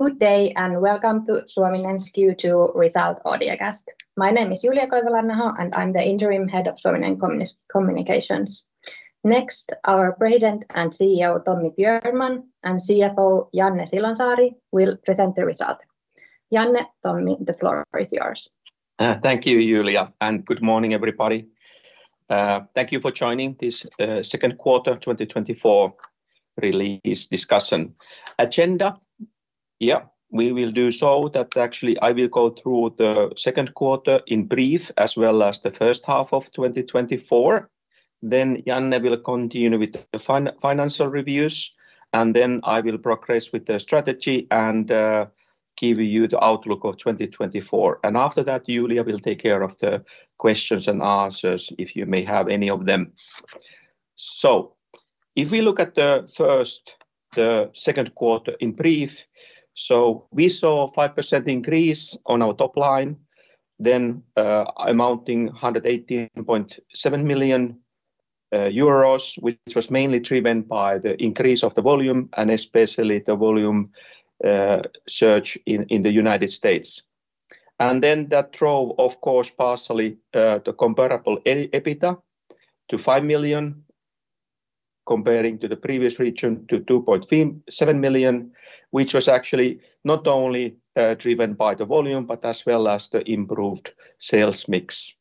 Good day, welcome to Suominen's Q2 result audiocast. My name is Julia Koivulanaho, and I'm the Interim Head of Suominen Communications. Next, our President & CEO, Tommi Björnman, and CFO, Janne Silonsaari, will present the result. Janne, Tommi, the floor is yours. Thank you, Julia, good morning, everybody. Thank you for joining this second quarter 2024 release discussion. Agenda. I will go through the second quarter in brief, as well as the first half of 2024. Janne will continue with the financial reviews, I will progress with the strategy and give you the outlook of 2024. After that, Julia will take care of the questions and answers if you may have any of them. If we look at the second quarter in brief, we saw a 5% increase on our top line, amounting to 118.7 million euros, which was mainly driven by the increase of the volume and especially the volume surge in the U.S. That drove, of course, partially the comparable EBITDA to 5 million, comparing to the previous region to 2.7 million, which was actually not only driven by the volume, but as well as the improved sales mix.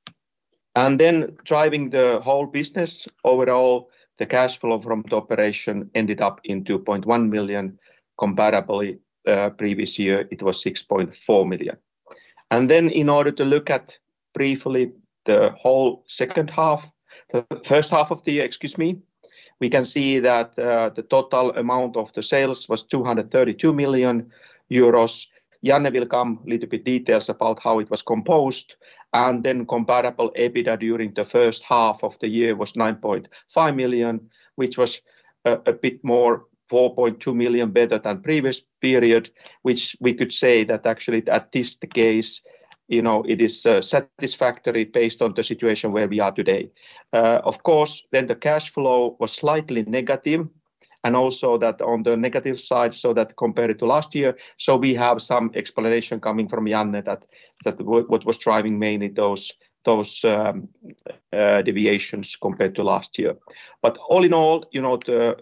Driving the whole business overall, the cash flow from the operation ended up in 2.1 million; comparably, previous year, it was 6.4 million. In order to look at, briefly, the first half of the year, we can see that the total amount of the sales was 232 million euros. Janne will come with a little bit details about how it was composed, comparable EBITDA during the first half of the year was 9.5 million, which was a bit more, 4.2 million, better than previous period, which we could say that actually at this case, it is satisfactory based on the situation where we are today. Of course, the cash flow was slightly negative and also that on the negative side, compared it to last year. We have some explanation coming from Janne that what was driving mainly those deviations compared to last year. All in all, the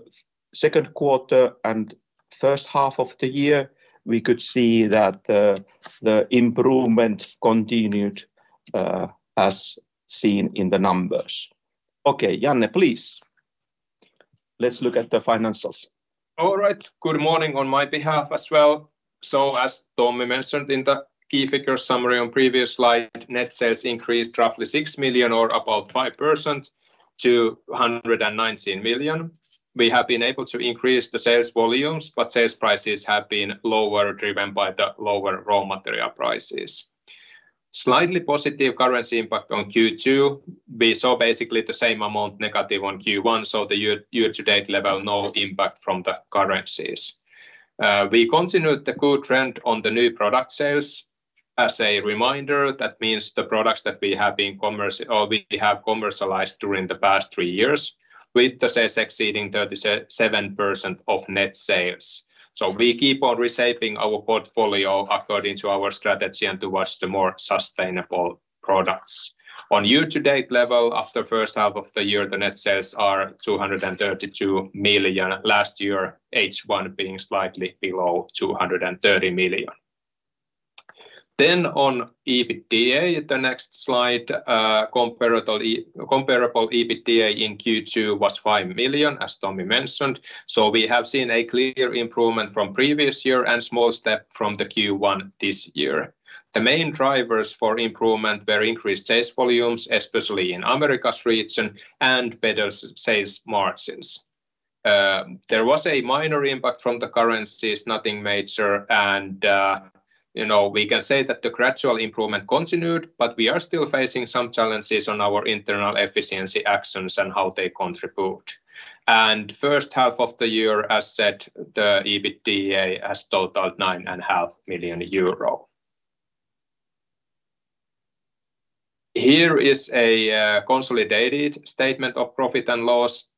second quarter and first half of the year, we could see that the improvement continued, as seen in the numbers. Okay, Janne, please. Let's look at the financials. All right. Good morning on my behalf as well. As Tommi mentioned in the key figure summary on previous slide, net sales increased roughly 6 million or about 5% to 119 million. We have been able to increase the sales volumes, but sales prices have been lower, driven by the lower raw material prices. Slightly positive currency impact on Q2. We saw basically the same amount negative on Q1, so the year-to-date level, no impact from the currencies. We continued the good trend on the new product sales. As a reminder, that means the products that we have commercialized during the past three years, with the sales exceeding 37% of net sales. We keep on reshaping our portfolio according to our strategy and towards the more sustainable products. On year-to-date level, after first half of the year, the net sales are 232 million. Last year, H1 being slightly below 230 million. On EBITDA, the next slide. Comparable EBITDA in Q2 was 5 million, as Tommi mentioned. We have seen a clear improvement from previous year and small step from the Q1 this year. The main drivers for improvement were increased sales volumes, especially in Americas region, and better sales margins. There was a minor impact from the currencies, nothing major. We can say that the gradual improvement continued, but we are still facing some challenges on our internal efficiency actions and how they contribute. First half of the year, as said, the EBITDA has totaled 9.5 million euro. Here is a consolidated statement of profit and loss,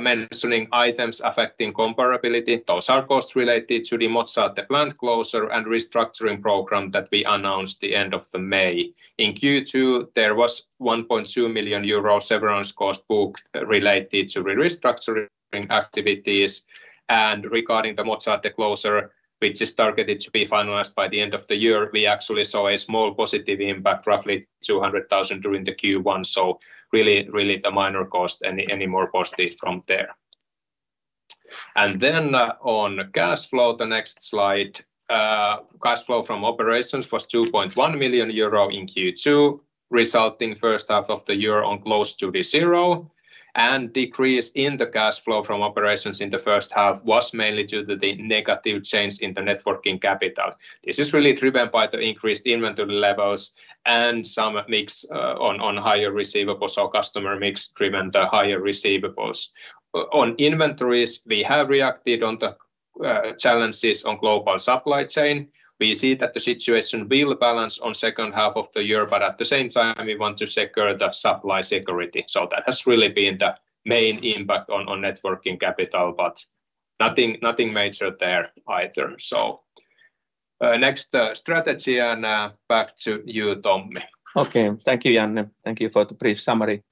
mentioning items affecting comparability. Those are costs related to the Mozzate plant closure and restructuring program that we announced the end of May. In Q2, there was 1.2 million euro severance cost booked related to the restructuring activities. Regarding the Mozzate closure, which is targeted to be finalized by the end of the year, we actually saw a small positive impact, roughly 200,000 during the Q1. Really the minor cost, any more positive from there. On cash flow, the next slide. Cash flow from operations was 2.1 million euro in Q2, resulting first half of the year on close to the zero. Decrease in the cash flow from operations in the first half was mainly due to the negative change in the net working capital. This is really driven by the increased inventory levels and some mix on higher receivables or customer mix driven the higher receivables. On inventories, we have reacted on the challenges on global supply chain. We see that the situation will balance on second half of the year, but at the same time, we want to secure the supply security. That has really been the main impact on net working capital, but nothing major there either. Next, strategy, and back to you, Tommi. Okay. Thank you, Janne. Thank you for the brief summary.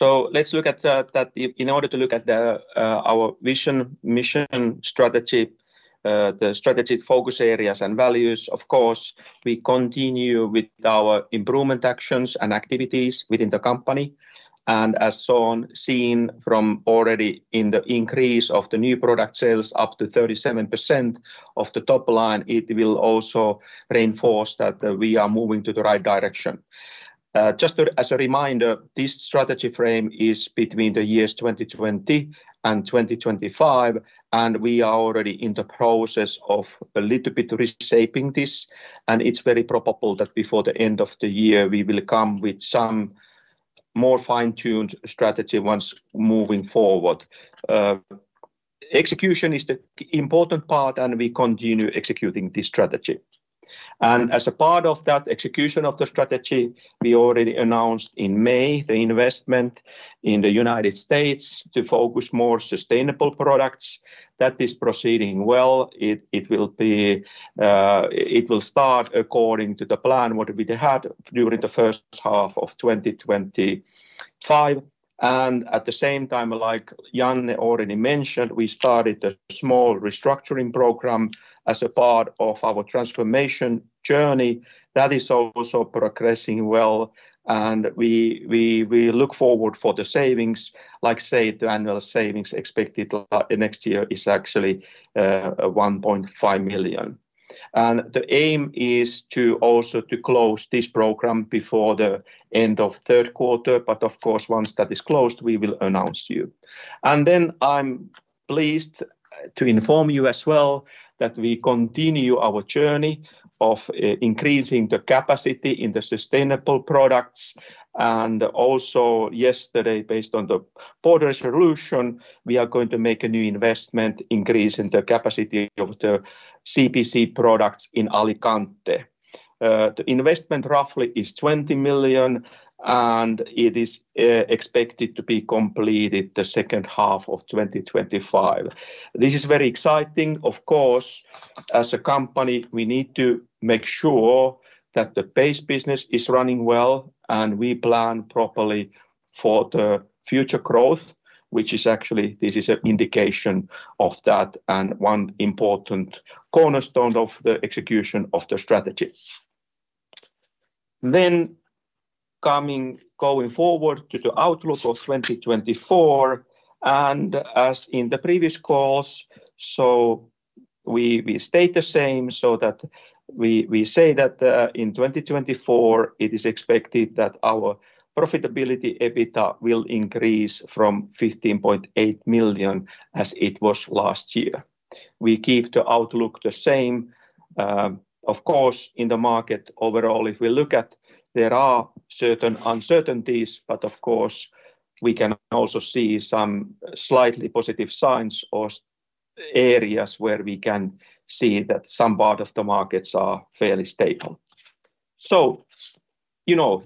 Let's look at that. In order to look at our vision, mission, strategy, the strategic focus areas, and values, of course, we continue with our improvement actions and activities within the company. As seen from already in the increase of the new product sales up to 37% of the top line, it will also reinforce that we are moving to the right direction. Just as a reminder, this strategy frame is between the years 2020 and 2025, and we are already in the process of a little bit reshaping this, and it's very probable that before the end of the year, we will come with some more fine-tuned strategy once moving forward. Execution is the important part, and we continue executing this strategy. As a part of that execution of the strategy, we already announced in May the investment in the U.S. to focus more sustainable products. That is proceeding well. It will start according to the plan what we had during the first half of 2025. At the same time, like Janne already mentioned, we started a small restructuring program as a part of our transformation journey. That is also progressing well, and we look forward for the savings. Like say, the annual savings expected next year is actually 1.5 million. The aim is to also to close this program before the end of Q3. Of course, once that is closed, we will announce you. I'm pleased to inform you as well that we continue our journey of increasing the capacity in the sustainable products. Also yesterday, based on the board resolution, we are going to make a new investment increase in the capacity of the Carded-Pulp-Carded products in Alicante. The investment roughly is 20 million, and it is expected to be completed the H2 of 2025. This is very exciting. Of course, as a company, we need to make sure that the base business is running well and we plan properly for the future growth, which is actually, this is an indication of that and one important cornerstone of the execution of the strategy. Going forward to the outlook of 2024, as in the previous course, we stay the same so that we say that in 2024, it is expected that our profitability EBITDA will increase from 15.8 million as it was last year. We keep the outlook the same. Of course, in the market overall, if we look at, there are certain uncertainties, but of course, we can also see some slightly positive signs or areas where we can see that some part of the markets are fairly stable.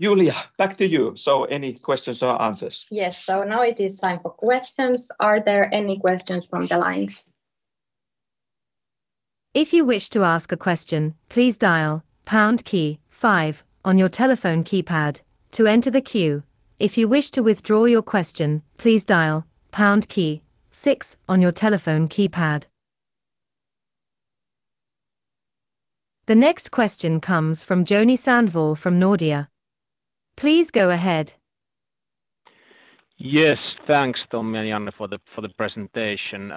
Julia, back to you. Any questions or answers? Yes. Now it is time for questions. Are there any questions from the lines? If you wish to ask a question, please dial pound key five on your telephone keypad to enter the queue. If you wish to withdraw your question, please dial pound key six on your telephone keypad. The next question comes from Joni Sandvall from Nordea. Please go ahead. Yes. Thanks, Tommi and Janne, for the presentation.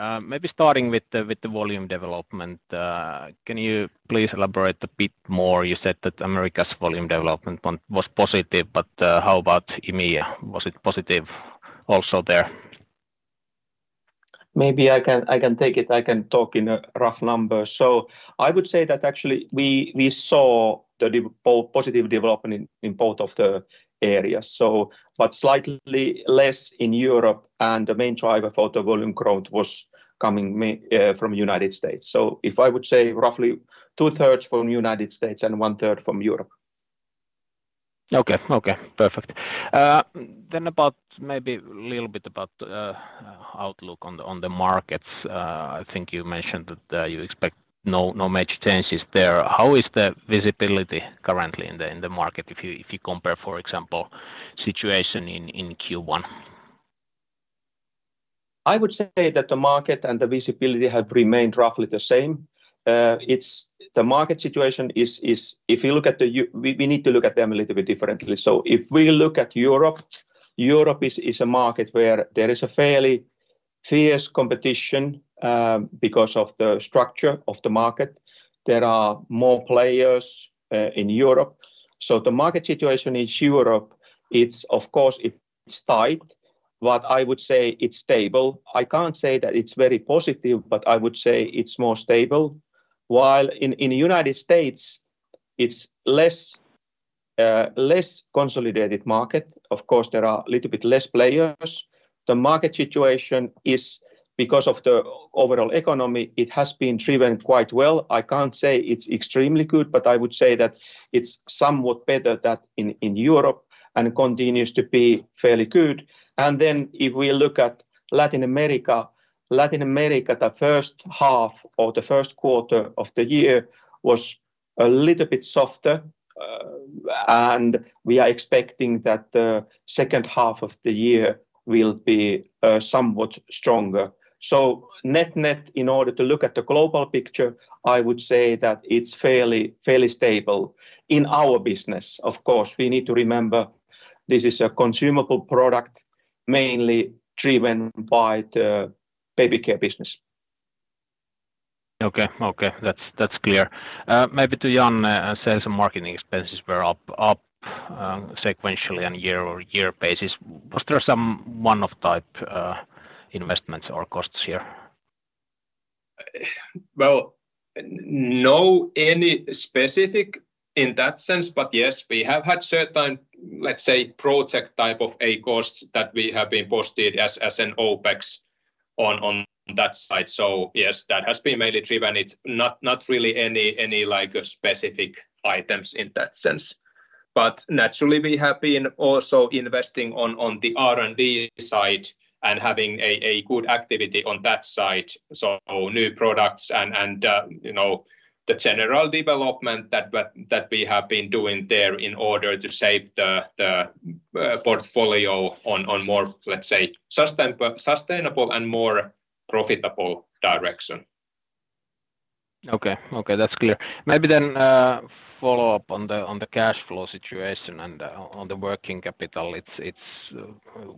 Starting with the volume development, can you please elaborate a bit more? You said that America's volume development was positive, how about EMEA? Was it positive also there? I can take it. I can talk in a rough number. I would say that actually, we saw the positive development in both of the areas. Slightly less in Europe, and the main driver for the volume growth was coming from United States. If I would say roughly two-thirds from United States and one-third from Europe. Okay. Perfect. About maybe a little bit about outlook on the markets. I think you mentioned that you expect no major changes there. How is the visibility currently in the market if you compare, for example, situation in Q1? I would say that the market and the visibility have remained roughly the same. The market situation is we need to look at them a little bit differently. If we look at Europe is a market where there is a fairly fierce competition because of the structure of the market. There are more players in Europe. The market situation in Europe, it's of course tight, but I would say it's stable. I can't say that it's very positive, but I would say it's more stable. While in the U.S., it's less consolidated market. Of course, there are a little bit less players. The market situation is because of the overall economy, it has been driven quite well. I can't say it's extremely good, but I would say that it's somewhat better that in Europe and continues to be fairly good. If we look at Latin America, Latin America, the first half or the first quarter of the year was a little bit softer. We are expecting that the second half of the year will be somewhat stronger. Net net, in order to look at the global picture, I would say that it's fairly stable in our business. Of course, we need to remember this is a consumable product mainly driven by the baby care business. Okay. That's clear. Maybe to Janne, sales and marketing expenses were up sequentially on a year-over-year basis. Was there some one-off type investments or costs here? Well, no specific in that sense, but yes, we have had certain, let's say, project type of costs that we have been posting as an OPEX on that side. Yes, that has been mainly driven. It's not really any specific items in that sense. Naturally, we have been also investing on the R&D side and having a good activity on that side. New products and the general development that we have been doing there in order to shape the portfolio on more, let's say, sustainable and more profitable direction. Okay. That's clear. Maybe then a follow-up on the cash flow situation and on the working capital.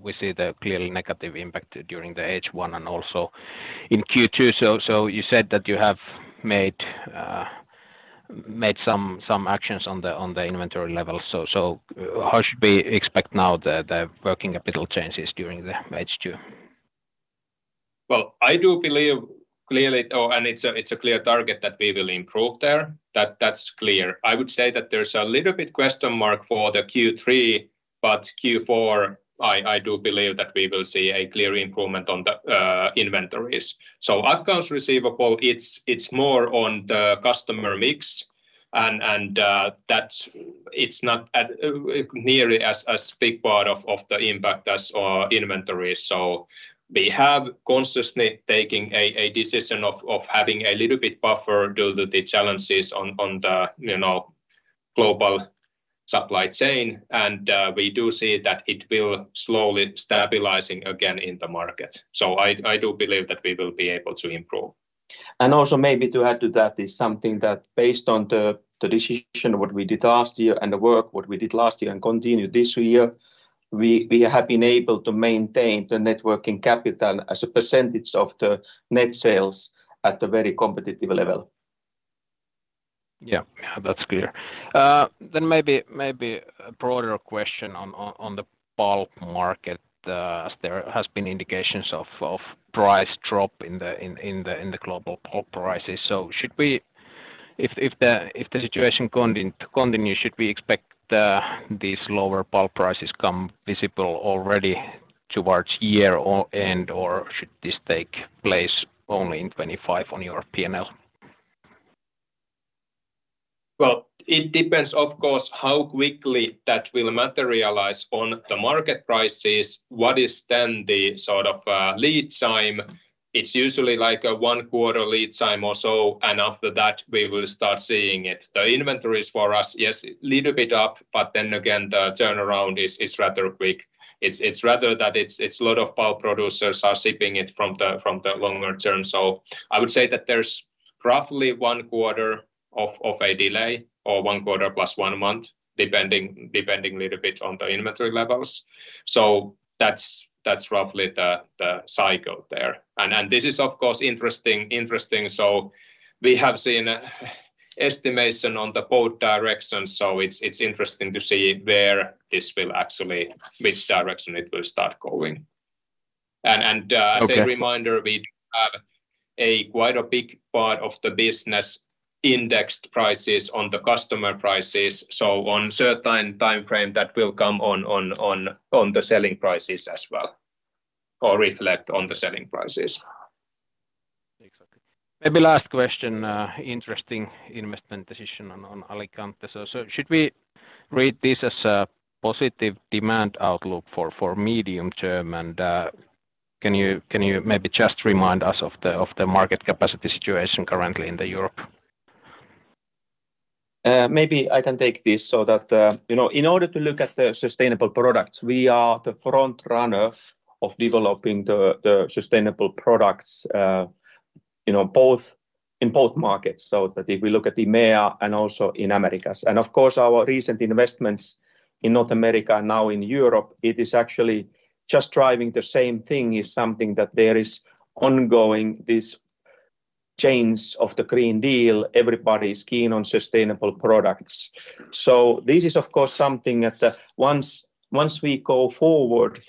We see the clearly negative impact during the H1 and also in Q2. You said that you have made some actions on the inventory level. How should we expect now the working capital changes during the H2? Well, I do believe, and it's a clear target that we will improve there. That's clear. I would say that there's a little bit of a question mark for the Q3, but Q4, I do believe that we will see a clear improvement on the inventories. Accounts receivable, it's more on the customer mix, and it's not nearly as big part of the impact as our inventory. We have consistently taken a decision of having a little bit buffer due to the challenges on the global supply chain. We do see that it will slowly stabilize again in the market. I do believe that we will be able to improve. Also maybe to add to that is something that based on the decision, what we did last year and the work what we did last year and continue this year, we have been able to maintain the networking capital as a percentage of the net sales at a very competitive level. That's clear. Maybe a broader question on the pulp market, as there has been indications of price drop in the global pulp prices. If the situation continues, should we expect these lower pulp prices become visible already towards year or end, or should this take place only in 2025 on your P&L? It depends, of course, how quickly that will materialize on the market prices. What is then the sort of lead time? It's usually like a one-quarter lead time or so, and after that, we will start seeing it. The inventories for us, yes, little bit up, but then again, the turnaround is rather quick. It's rather that it's a lot of pulp producers are shipping it from the longer term. I would say that there's roughly one quarter of a delay or one quarter plus one month, depending little bit on the inventory levels. That's roughly the cycle there. This is of course, interesting. We have seen estimation on the both directions, so it's interesting to see which direction it will start going. Okay. As a reminder, we have a quite a big part of the business indexed prices on the customer prices. On certain timeframe that will come on the selling prices as well, or reflect on the selling prices. Exactly. Maybe last question, interesting investment decision on Alicante. Should we read this as a positive demand outlook for medium term? Can you maybe just remind us of the market capacity situation currently in Europe? Maybe I can take this so that in order to look at the sustainable products, we are the front runner of developing the sustainable products in both markets, so that if we look at EMEA and also in Americas. Of course, our recent investments in North America, now in Europe, it is actually just driving the same thing, is something that there is ongoing, these chains of the Green Deal. Everybody's keen on sustainable products. This is, of course, something that once we go forward,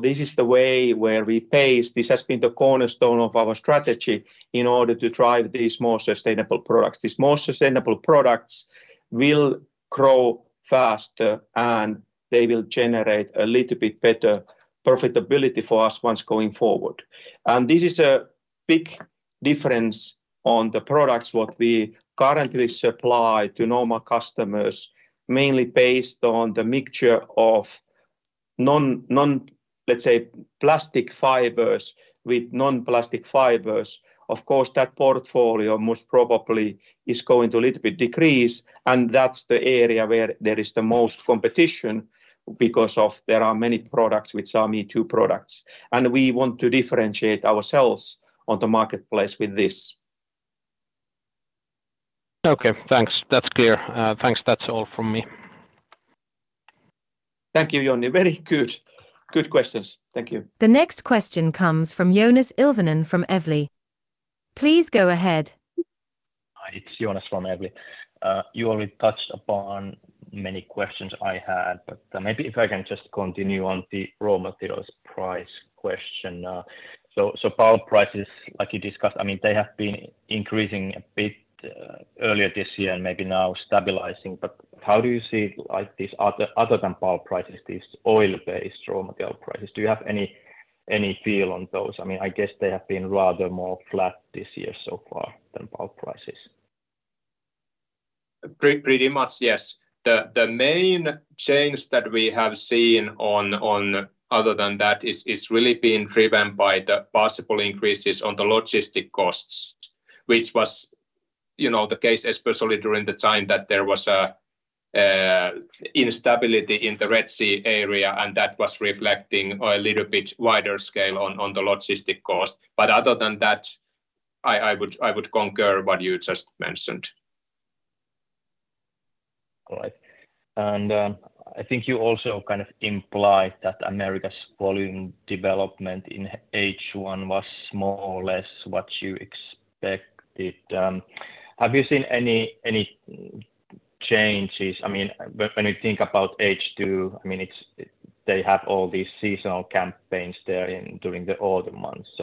this is the way where we pace. This has been the cornerstone of our strategy in order to drive these more sustainable products. These more sustainable products will grow faster, and they will generate a little bit better profitability for us once going forward. This is a big difference on the products what we currently supply to normal customers, mainly based on the mixture of non-plastic fibers with non-plastic fibers. Of course, that portfolio most probably is going to a little bit decrease, and that's the area where there is the most competition because there are many products with some me-too products, and we want to differentiate ourselves on the marketplace with this. Okay, thanks. That's clear. Thanks. That's all from me. Thank you, Joni. Very good questions. Thank you. The next question comes from Joonas Ilvonen from Evli. Please go ahead. Hi, it's Joonas from Evli. You already touched upon many questions I had, but maybe if I can just continue on the raw materials price question. Pulp prices, like you discussed, they have been increasing a bit earlier this year and maybe now stabilizing. How do you see, other than pulp prices, these oil-based raw material prices? Do you have any feel on those? I guess they have been rather more flat this year so far than pulp prices. Pretty much, yes. The main change that we have seen other than that has really been driven by the possible increases on the logistic costs, which was the case especially during the time that there was instability in the Red Sea area, and that was reflecting a little bit wider scale on the logistic cost. Other than that, I would concur what you just mentioned. All right. I think you also kind of implied that America's volume development in H1 was more or less what you expected. Have you seen any changes? When you think about H2, they have all these seasonal campaigns there during the autumn months.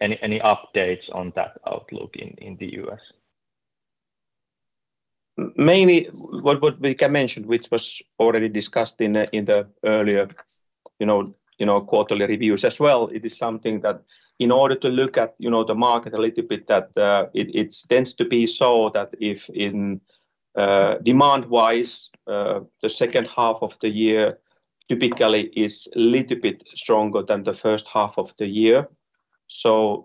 Any updates on that outlook in the U.S.? Mainly what we can mention, which was already discussed in the earlier quarterly reviews as well, it is something that in order to look at the market a little bit, that it tends to be so that if in demand-wise, the second half of the year typically is a little bit stronger than the first half of the year.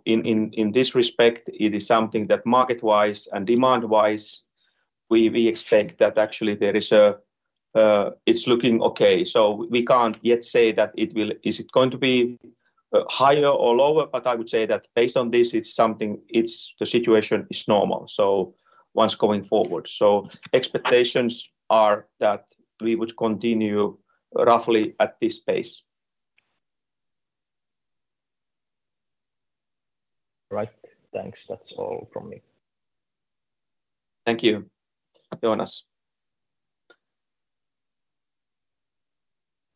In this respect, it is something that market-wise and demand-wise, we expect that actually it's looking okay. We can't yet say that is it going to be higher or lower, I would say that based on this, the situation is normal once going forward. Expectations are that we would continue roughly at this pace. Right. Thanks. That's all from me. Thank you, Joonas.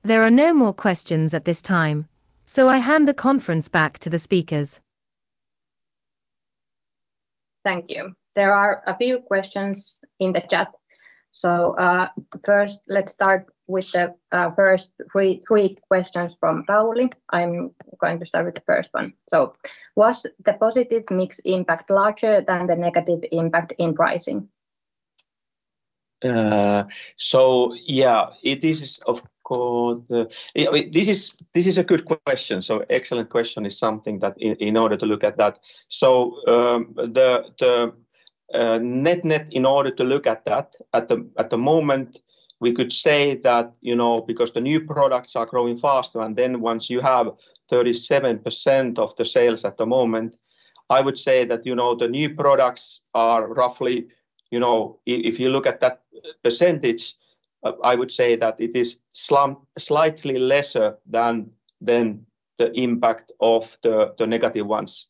There are no more questions at this time, I hand the conference back to the speakers. Thank you. There are a few questions in the chat. First, let's start with the first three questions from Pauli. I'm going to start with the first one. Was the positive mix impact larger than the negative impact in pricing? This is a good question. Excellent question. In order to look at that, the net in order to look at that at the moment, we could say that because the new products are growing faster, once you have 37% of the sales at the moment, I would say that the new products are roughly, if you look at that percentage, I would say that it is slightly lesser than the impact of the negative ones.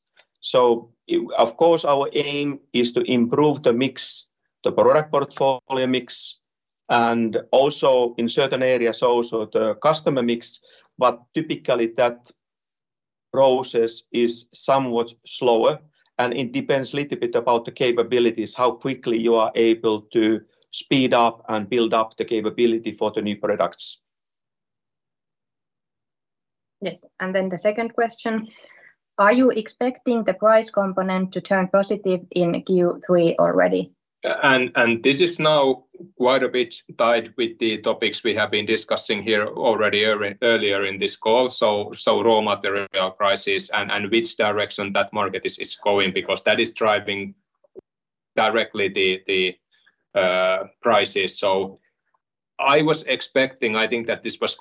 Of course, our aim is to improve the product portfolio mix, and also in certain areas, also the customer mix. Typically that process is somewhat slower, and it depends little bit about the capabilities, how quickly you are able to speed up and build up the capability for the new products. Yes. The second question, are you expecting the price component to turn positive in Q3 already? This is now quite a bit tied with the topics we have been discussing here already earlier in this call. Raw material prices and which direction that market is going, because that is driving directly the prices. I was expecting, I think that this was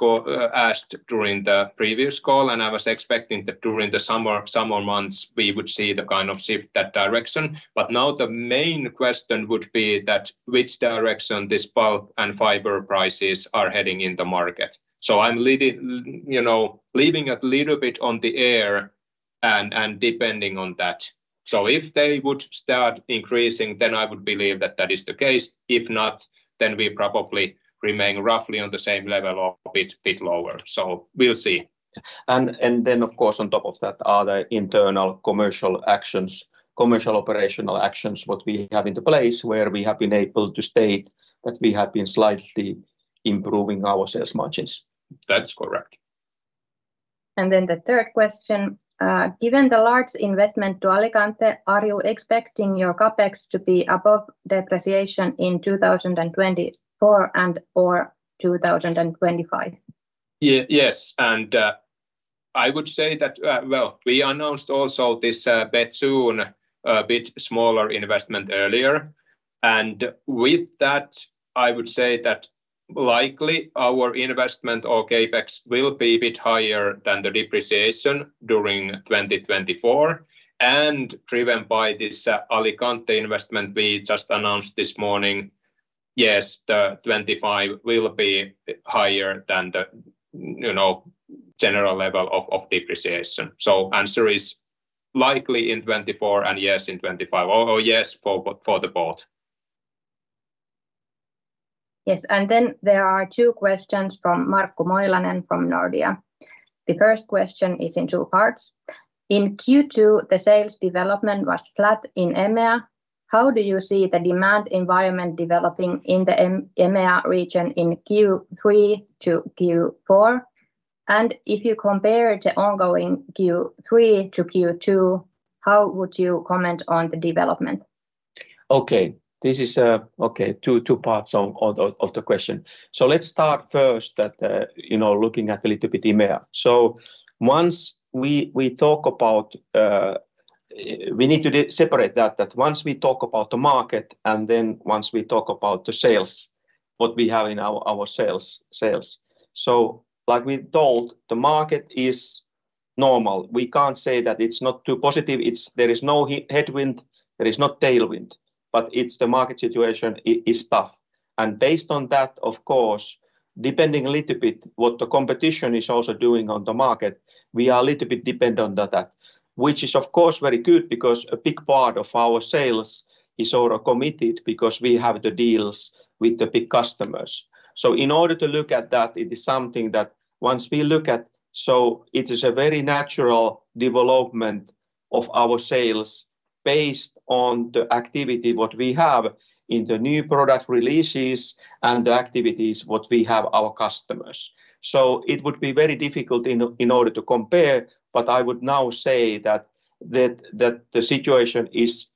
asked during the previous call, and I was expecting that during the summer months, we would see the kind of shift that direction. Now the main question would be that which direction this pulp and fiber prices are heading in the market. I'm leaving a little bit on the air and depending on that. If they would start increasing, then I would believe that that is the case. If not, then we probably remain roughly on the same level or a bit lower. We'll see. Then, of course, on top of that are the internal commercial actions, commercial operational actions, what we have into place where we have been able to state that we have been slightly improving our sales margins. That's correct. Then the third question. Given the large investment to Alicante, are you expecting your CapEx to be above depreciation in 2024 and/or 2025? Yes. I would say that we announced also this Bethune bit smaller investment earlier. With that, I would say that likely our investment or CapEx will be a bit higher than the depreciation during 2024. Driven by this Alicante investment we just announced this morning, yes, 2025 will be higher than the general level of depreciation. Answer is likely in 2024 and yes in 2025. Yes for the both. Yes. There are two questions from Markku Moilanen from Nordea. The first question is in two parts. In Q2, the sales development was flat in EMEA. How do you see the demand environment developing in the EMEA region in Q3 to Q4? If you compare the ongoing Q3 to Q2, how would you comment on the development? Okay. two parts of the question. Let's start first looking at a little bit EMEA. We need to separate that once we talk about the market, once we talk about the sales, what we have in our sales. Like we told, the market is normal. We can't say that it's not too positive. There is no headwind. There is no tailwind. The market situation is tough. Based on that, of course, depending a little bit what the competition is also doing on the market, we are a little bit dependent on that. Which is of course very good because a big part of our sales is order committed because we have the deals with the big customers. In order to look at that, it is something that once we look at, it is a very natural development of our sales based on the activity what we have in the new product releases and the activities what we have our customers. It would be very difficult in order to compare, I would now say that the situation is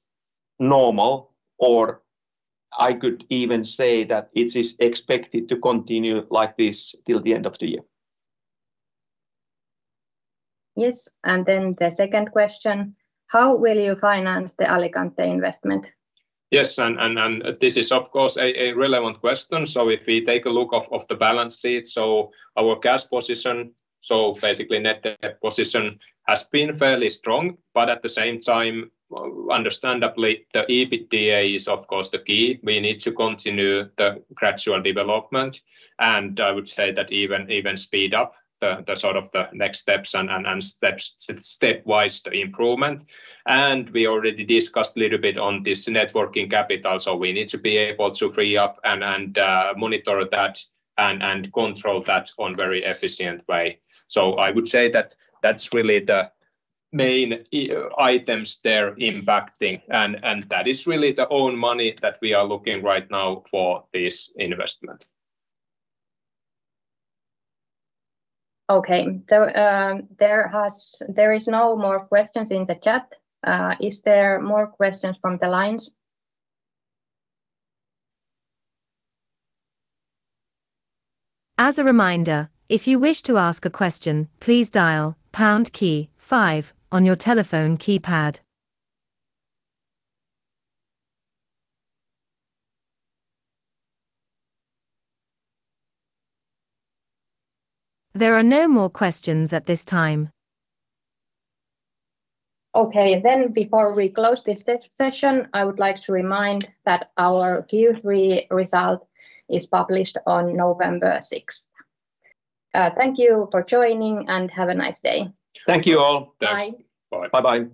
normal, I could even say that it is expected to continue like this till the end of the year. Yes. Then the second question, how will you finance the Alicante investment? Yes, this is of course a relevant question. If we take a look of the balance sheet, our cash position, basically net debt position has been fairly strong, but at the same time, understandably, the EBITDA is of course the key. We need to continue the gradual development. I would say that even speed up the next steps and stepwise the improvement. We already discussed a little bit on this net working capital, we need to be able to free up and monitor that and control that on very efficient way. I would say that that's really the main items they're impacting, and that is really the own money that we are looking right now for this investment. Okay. There is no more questions in the chat. Is there more questions from the lines? As a reminder, if you wish to ask a question, please dial #5 on your telephone keypad. There are no more questions at this time. Okay, before we close this session, I would like to remind that our Q3 result is published on November 6th. Thank you for joining, and have a nice day. Thank you all. Bye. Bye. Bye-bye.